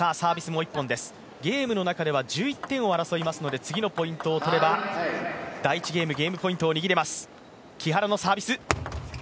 ゲームの中では１１点を争いますので次のポイントを取れば、第１ゲームゲームポイントを握れます。